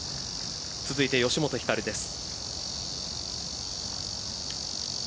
続いて吉本ひかるです。